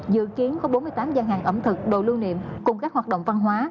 dự kiến có bốn mươi tám gian hàng ẩm thực đồ lưu niệm cùng các hoạt động văn hóa